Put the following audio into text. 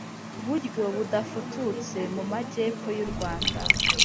buryo budafututse mu magepfo y urwanda